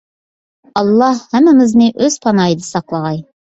ئاللاھ ھەممىمىزنى ئۆز پاناھىدا ساقلىغاي!